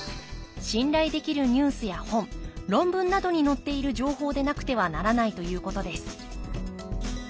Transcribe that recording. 信頼できるニュースや本論文などに載っている情報でなくてはならないということです